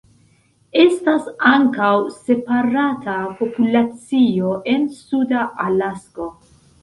Estas ankaŭ separata populacio en Suda Alasko.